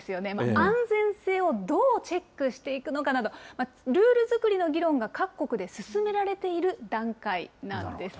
安全性をどうチェックしていくのかなど、ルール作りの議論が各国で進められている段階なんです。